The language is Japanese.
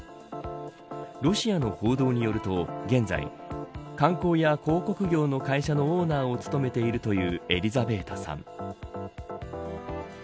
ロシアの報道によると現在観光や広告業の会社のオーナーを務めているというエリザヴェータさん。